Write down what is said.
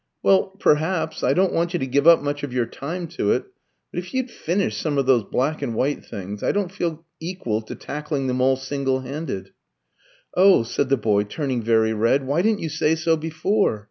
"Well, perhaps. I don't want you to give up much of your time to it; but if you'd finish some of those black and white things I don't feel equal to tackling them all single handed." "Oh," said the boy, turning very red, "why didn't you say so before?"